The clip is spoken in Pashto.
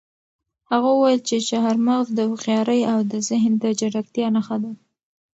هغه وویل چې چهارمغز د هوښیارۍ او د ذهن د چټکتیا نښه ده.